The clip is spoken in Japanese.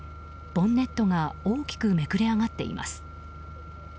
ボンネットが大きくめくれ上がっています。